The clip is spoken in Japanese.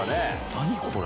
何これ！